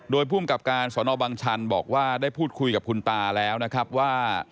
โดยภูมิกับการสอนอบังชันบอกว่าได้พูดคุยกับคุณตาแล้วนะครับว่า